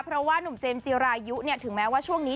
เพราะว่านุ่มเจมส์จิรายุถึงแม้ว่าช่วงนี้